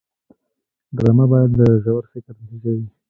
ډرامه باید د ژور فکر نتیجه وي